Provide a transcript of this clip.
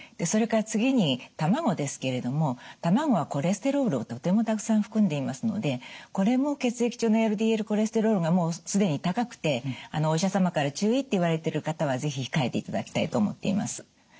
それから次に卵ですけれども卵はコレステロールをとてもたくさん含んでいますのでこれも血液中のＬＤＬコレステロールがもう既に高くてお医者様から注意って言われてる方は是非控えていただきたいと思っています。